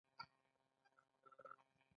دوی نه غلامان وو او نه د مرئیانو خاوندان.